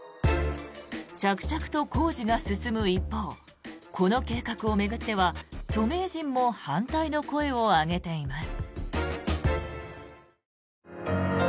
着々と工事が進む一方この計画を巡っては著名人も反対の声を上げています。